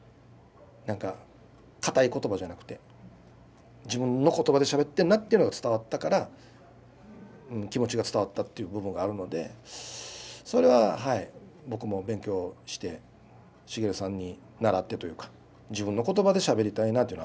何かかたい言葉じゃなくて自分の言葉でしゃべってるなっていうのが伝わったから気持ちが伝わったっていう部分があるのでそれははい僕も勉強して茂さんにならってというか自分の言葉でしゃべりたいなというのはありますね。